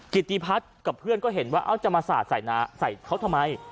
กิติพัฒน์กับเพื่อนก็เห็นว่าจะมาสาดใส่เขาทำไม